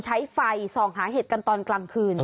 ใช้ไฟส่องหาเห็ดกันตอนกลางคืน